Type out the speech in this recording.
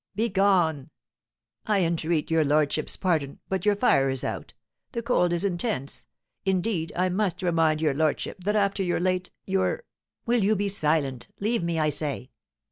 "Begone!" "I entreat your lordship's pardon, but your fire is out, the cold is intense, indeed, I must remind your lordship that after your late your " "Will you be silent? Leave me I say!"